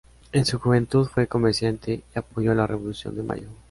En su juventud fue comerciante, y apoyó la Revolución de Mayo.